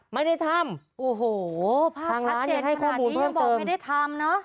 ไม่ได้ทำโอ้โหทางร้านยังให้ข้อมูลเพิ่มเติมยังบอกไม่ได้ทำเนอะ